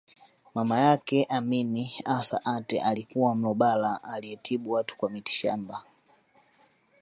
Mama yake Amin Assa Aatte alikuwa Mlugbara aliyetibu watu kwa mitishamba